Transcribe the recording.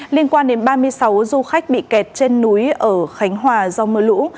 liên quan đến ba mươi sáu du khách bị kẹt trên núi ở khánh hòa do mưa lũ